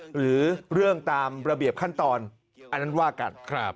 หรือเรื่องตามระเบียบขั้นตอนอันนั้นว่ากัน